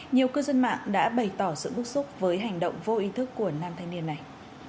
nhiều cư dân mạng đã bày tỏ sự bức xúc với hành động vô ý thức của nam thanh niên này